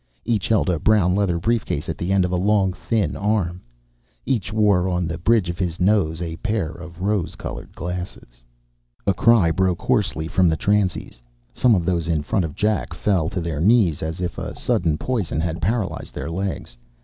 Each held a brown leather briefcase at the end of a long, thin arm. Each wore on the bridge of his long nose a pair of rose colored glasses. A cry broke hoarsely from the transies. Some of those in front of Jack fell to their knees as if a sudden poison had paralyzed their legs.